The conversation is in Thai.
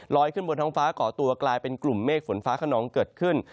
ขึ้นบนท้องฟ้าก่อตัวกลายเป็นกลุ่มเมฆฝนฟ้าขนองเกิดขึ้น